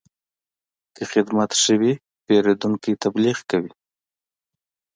که خدمت ښه وي، پیرودونکی تبلیغ کوي.